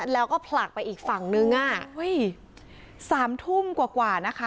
แล้วก็ผลักไปอีกฝั่งนึงอ่ะสามทุ่มกว่ากว่านะคะ